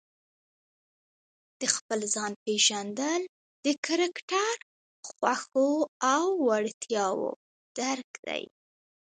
د خپل ځان پېژندل د کرکټر، خوښو او وړتیاوو درک دی.